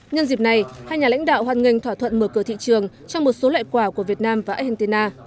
nhân dịp này hai nhà lãnh đạo hoàn nghênh thỏa thuận mở cửa thị trường trong một số loại quả của việt nam và argentina